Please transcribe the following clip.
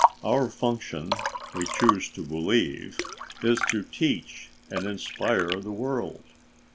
Our function, we choose to believe, is to teach and inspire the world.